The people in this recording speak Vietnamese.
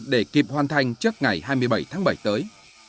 để kịp hoàn thành trước ngày hai mươi bảy tháng bảy tới